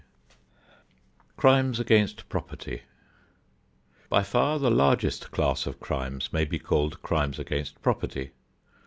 XIV CRIMES AGAINST PROPERTY By far the largest class of crimes may be called crimes against property.